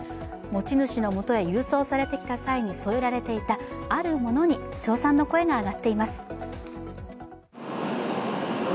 持ち主の元へ郵送されてきた際に添えられていたものにあるものに称賛の声が上がっています。